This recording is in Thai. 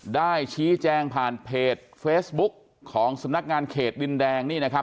ได้ชี้แจงผ่านเพจเฟซบุ๊กของสำนักงานเขตดินแดงนี่นะครับ